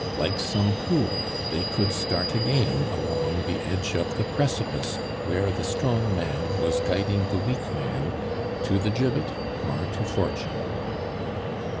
Like some pool, they could start again along the edge of the precipice where the strong man was guiding the weak man to the gibbet or to fortune.